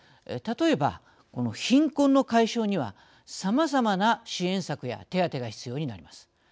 例えば貧困の解消にはさまざまな支援策や手当が必要になります。